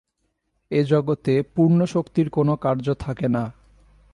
এ জগতে পূর্ণশক্তির কোন কার্য থাকে না।